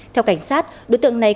theo cảnh sát đối tượng này